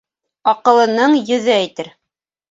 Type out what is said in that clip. Аҡыллының йөҙө әйтер